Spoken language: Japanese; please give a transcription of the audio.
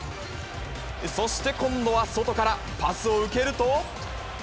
そして今度は外からパスを受けると。